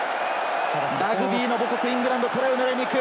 ラグビーの母国・イングランド、トライを狙いに行く。